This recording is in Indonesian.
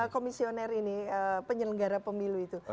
komisioner ini penyelenggara pemilu itu